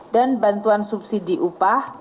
dan bantuan subsidi upah